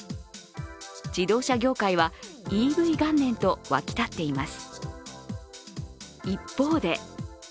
自動車業界はＥＶ元年と沸き立っています。